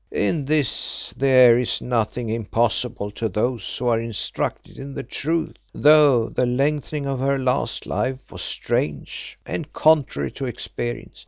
In this there is nothing impossible to those who are instructed in the truth, though the lengthening of her last life was strange and contrary to experience.